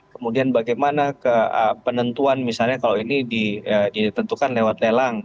kemudian bagaimana penentuan misalnya kalau ini ditentukan lewat lelang